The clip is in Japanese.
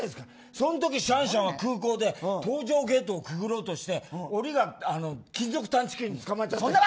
そのときシャンシャンは空港で搭乗ゲートをくぐろうとして檻が金属探知機につかまっちゃってピーって。